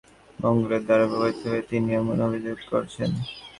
আমাদের ফাঁসানোর জন্য কোনো মহলের দ্বারা প্রভাবিত হয়ে তিনি এমন অভিযোগ করছেন।